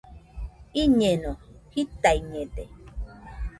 Iñeno.jitaiñede